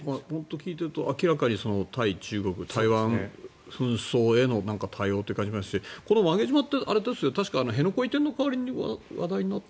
聞いていると明らかに対中国台湾紛争への対応って感じがしますしこの馬毛島って確か辺野古移転で話題になって。